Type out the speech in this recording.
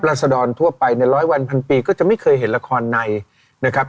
สดรทั่วไปในร้อยวันพันปีก็จะไม่เคยเห็นละครในนะครับ